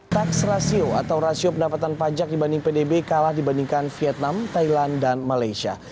tax ratio atau rasio pendapatan pajak dibanding pdb kalah dibandingkan vietnam thailand dan malaysia